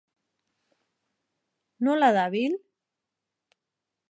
Nola dabil?